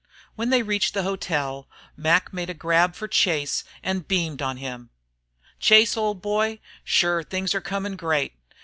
When they reached the hotel Mac made a grab for Chase and beamed on him. "Chase, old boy, shure things are comin' great.